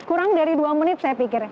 kurang dari dua menit saya pikir